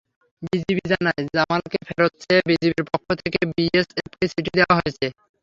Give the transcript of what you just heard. BGB জানায়, জামালকে ফেরত চেয়ে বিজিবির পক্ষ থেকে বিএসএফকে চিঠি দেওয়া হয়েছে।